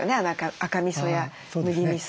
赤みそや麦みそ